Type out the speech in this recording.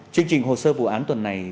chương trình hồ sơ vụ án tuần này